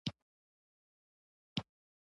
ژبه زموږ فرهنګي شتمني ده.